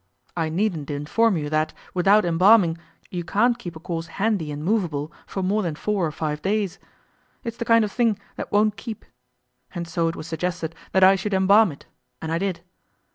I needn't inform you that, without embalming, you can't keep a corpse handy and movable for more than four or five days. It's the kind of thing that won't keep. And so it was suggested that I should embalm it, and I did.